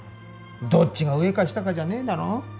どっちが上か下かじゃねえだろう？